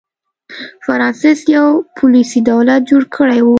فرانسس یو پولیسي دولت جوړ کړی و.